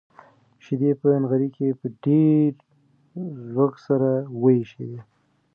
شيدې په نغري کې په ډېر زوږ سره وایشېدې.